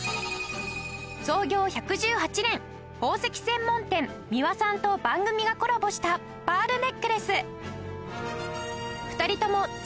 創業１１８年宝石専門店ミワさんと番組がコラボしたパールネックレス。